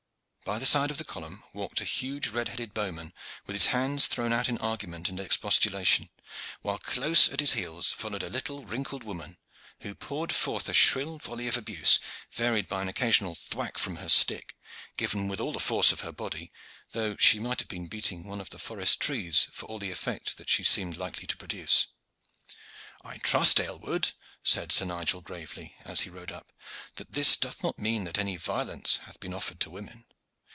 By the side of the column walked a huge red headed bowman, with his hands thrown out in argument and expostulation, while close at his heels followed a little wrinkled woman who poured forth a shrill volley of abuse, varied by an occasional thwack from her stick, given with all the force of her body, though she might have been beating one of the forest trees for all the effect that she seemed likely to produce. "I trust, Aylward," said Sir Nigel gravely, as he rode up, "that this doth not mean that any violence hath been offered to women.